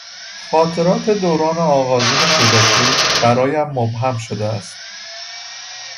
خاطرات دوران آغازین کودکی برایم مبهم شده است.